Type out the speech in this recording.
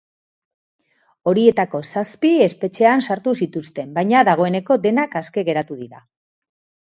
Horietako zazpi espetxean sartu zituzten, baina dagoeneko denak aske geratu dira.